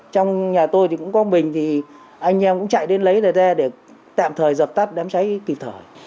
trong nhà tôi thì cũng có bình thì anh em cũng chạy đến lấy này ra để tạm thời dập tắt đám cháy kịp thời